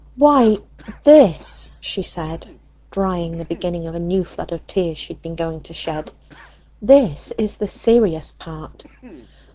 "Why this," she said, drying the beginning of a new flood of tears she had been going to shed, "this is the serious part.